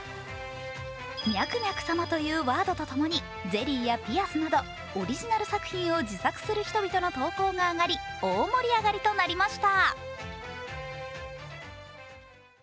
「ミャクミャク様」というワードと共に、ゼリーやピアスなどオリジナル作品を自作する人々の投稿が上がり大盛り上がりとなりました。